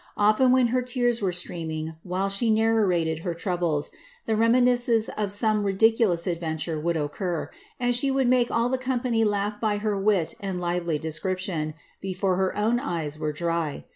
Often, when her tears were streaming, while she narrated her troubles, the reminiscence of some ridiculous adventure would occur, and she would make all the company laugh by her wit and lively description, before her own eyes were dry.